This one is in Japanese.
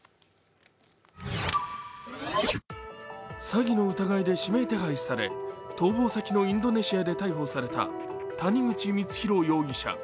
詐欺の疑いで指名手配され逃亡先のインドネシアで逮捕された谷口光弘